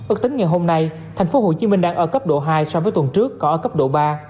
ước tính ngày hôm nay tp hcm đang ở cấp độ hai so với tuần trước có ở cấp độ ba